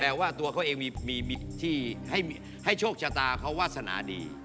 ว่าตัวเขาเองมีที่ให้โชคชะตาเขาวาสนาดี